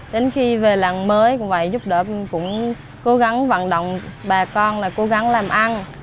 đến khi về làng mới cũng vậy giúp đỡ cũng cố gắng vận động bà con là cố gắng làm ăn